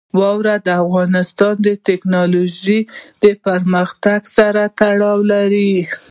واوره د افغانستان د تکنالوژۍ پرمختګ سره تړاو لري.